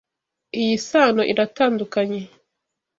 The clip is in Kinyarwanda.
Iyi sano iratandukanye.